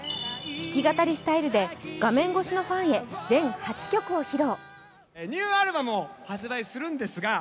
弾き語りスタイルで画面越しのファンへ全８曲を披露。